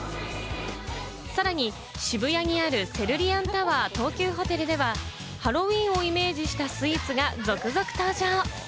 さらに渋谷にあるセルリアンタワー東急ホテルでは、ハロウィーンをイメージしたスイーツが続々登場。